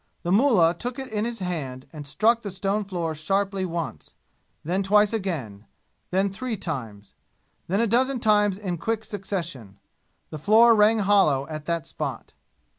The mullah took it in his hand and struck the stone floor sharply once then twice again then three times then a dozen times in quick succession. The floor rang hollow at that spot.